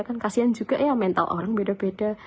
kan kasian juga ya mental orang beda beda